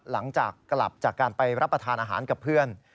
หลังจากกลับจากการไปรับประทานอาหารกับเพื่อน